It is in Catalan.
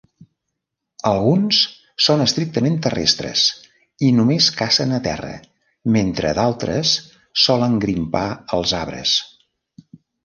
Alguns són estrictament terrestres i només cacen a terra, mentre d'altres solen grimpar als arbres.